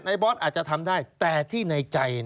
บอสอาจจะทำได้แต่ที่ในใจ